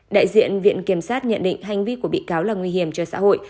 đại diện viện kiểm sát nhận định hành vi của bị cáo là nguy hiểm cho xã hội